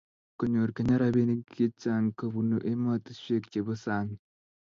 konyor kenya rabinik checheng kobun ematushwek chebo sang